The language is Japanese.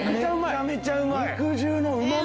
めっちゃめちゃうまい。